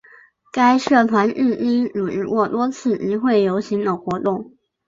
该社团至今组织过多次集会游行等活动。